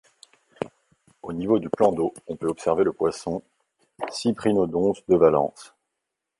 Au niveau du plan d'eau, on peut observer le poisson Cyprinodonte de Valence.